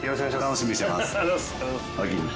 楽しみにしてます。